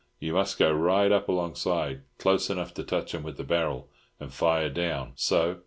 You must go right up alongside, close enough to touch 'em with the barrel, and fire down—so."